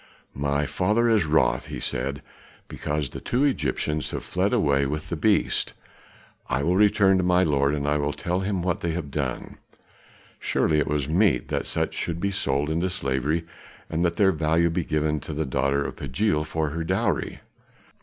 "My father is wroth," he said, "because the two Egyptians have fled away with the beast. I will return to my lord and I will tell him what they have done. Surely it was meet that such should be sold into slavery and that their value be given the daughter of Pagiel for her dowry."